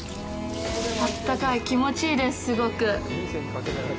あったかい、気持ちいいです、すごく。